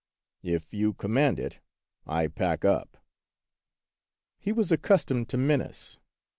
" If you command it, I pack up." He was accustomed to menace.